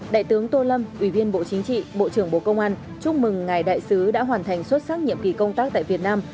đại tướng tô lâm ủy viên bộ chính trị bộ trưởng bộ công an chúc mừng ngài đại sứ đã hoàn thành xuất sắc nhiệm kỳ công tác tại việt nam